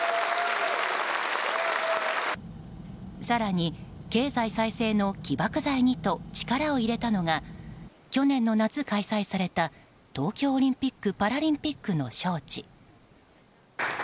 更に、経済再生の起爆剤にと力を入れたのが去年の夏開催された東京オリンピック・パラリンピックの招致。